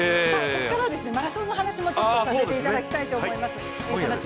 ここからはマラソンの話もさせていただきたいと思います。